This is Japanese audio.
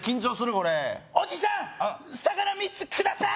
これおじさん魚３つください！